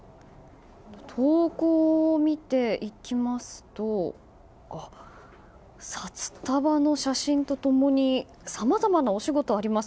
投稿を見ていきますと札束の写真と共にさまざまなお仕事あります